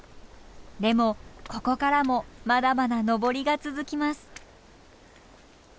でもここからもまだまだ登りが続きます。